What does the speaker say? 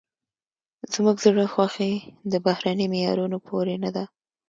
زموږ زړه خوښي د بهرني معیارونو پورې نه ده.